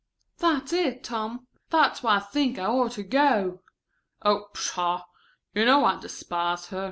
"That's it, Tom. That's why I think I ought to go." "Oh, pshaw. You know I despise her.